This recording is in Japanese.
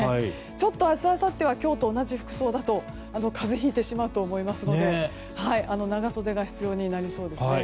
ちょっと明日あさっては今日と同じ服装だと風邪をひいてしまうと思いますので長袖が必要になりそうですね。